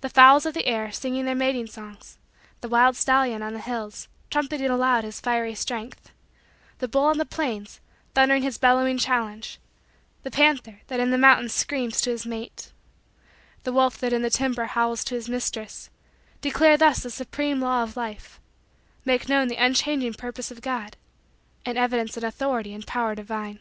The fowls of the air, singing their mating songs; the wild stallion on the hills, trumpeting aloud his fiery strength; the bull on the plains, thundering his bellowing challenge; the panther that in the mountains screams to his mate; the wolf that in the timber howls to his mistress; declare thus the supreme law of Life make known the unchanging purpose of God and evidence an authority and power divine.